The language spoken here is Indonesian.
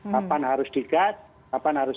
kapan harus digas kapan harus